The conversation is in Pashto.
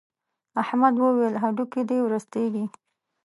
احمد وويل: هډوکي دې ورستېږي.